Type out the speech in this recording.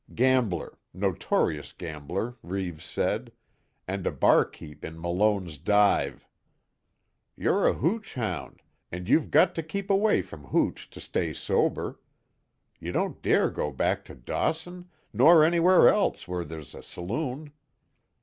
Gambler notorious gambler, Reeves said and a barkeep in Malone's dive. You're a hooch hound, and you've got to keep away from hooch to stay sober! You don't dare go back to Dawson nor anywhere else where there's a saloon!